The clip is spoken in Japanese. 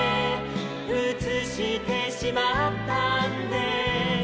「うつしてしまったんですル・ル」